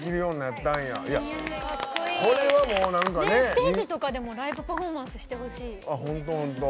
ステージとかでもライブパフォーマンスしてほしい。